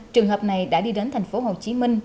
trường hợp này đã đi đến thành phố hồ chí minh